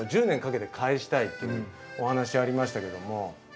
１０年かけて返したいというお話ありましたけども。